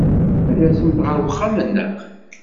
Ad tasemt ɣer wexxam-nneɣ?